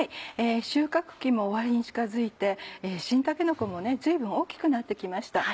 収穫期も終わりに近づいて新たけのこも随分大きくなって来ました。